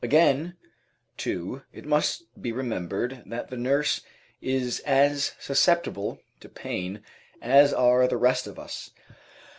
Again, too, it must be remembered that the nurse is as susceptible to pain as are the rest of us.